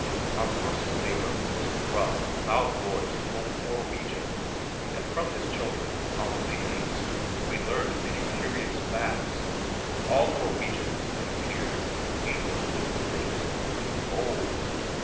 Our closest neighbor was a gruff loud voiced old Norwegian and from his children (our playmates) we learned many curious facts. All Norwegians, it appeared, ate from wooden plates or wooden bowls.